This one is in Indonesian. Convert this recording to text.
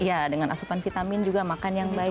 iya dengan asupan vitamin juga makan yang baik